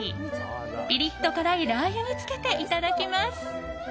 ピリッと辛いラー油につけていただきます。